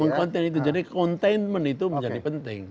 meng contain itu jadi containment itu menjadi penting